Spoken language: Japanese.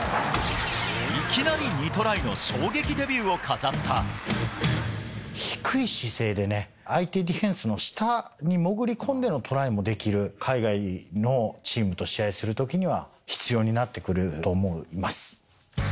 いきなり２トライの、衝撃デ低い姿勢でね、相手ディフェンスの下に潜り込んでのトライもできる、海外のチームと試合するときには必要になってくると思います。